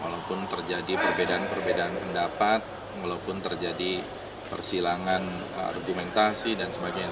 walaupun terjadi perbedaan perbedaan pendapat walaupun terjadi persilangan argumentasi dan sebagainya